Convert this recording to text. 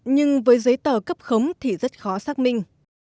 nhưng với giấy tờ cấp khống thì rất khó xác minh